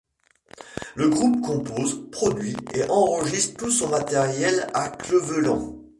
Le groupe compose, produit et enregistre tout son matériel à Cleveland.